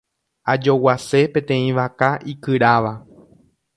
Ajoguase peteĩ vaka ikyráva.